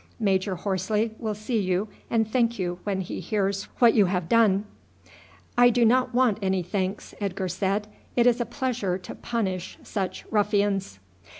Major Horsley will see you and thank you when he hears what you have done." "I do not want any thanks," Edgar said; "it is a pleasure to punish such ruffians."